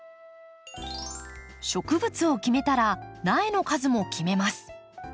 植物を決めたら苗の数も決めます。